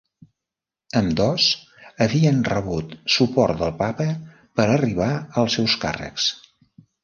Ambdós havien rebut suport del papa per arribar als seus càrrecs.